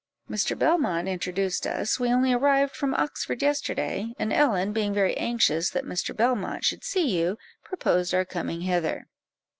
"Mr. Belmont introduced us. We only arrived from Oxford yesterday, and Ellen, being very anxious that Mr. Belmont should see you, proposed our coming hither."